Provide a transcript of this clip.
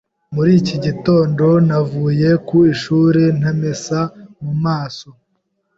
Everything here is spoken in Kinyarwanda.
Muri iki gitondo, navuye ku ishuri ntamesa mu maso.